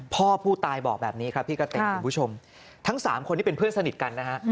พ่อผู้ตายบอกแบบนี้ครับพี่กะติกคุณผู้ชมทั้งสามคนที่เป็นเพื่อนสนิทกันนะฮะ